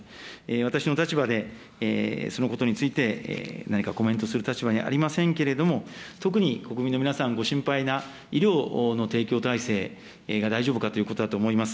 私の立場でそのことについて、何かコメントする立場にありませんけれども、特に国民の皆さんご心配な医療の提供体制が大丈夫かということだと思います。